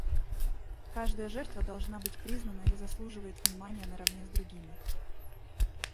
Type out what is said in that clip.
Каждая жертва должна быть признана и заслуживает внимания наравне с другими.